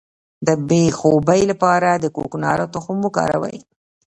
د بې خوبۍ لپاره د کوکنارو تخم وکاروئ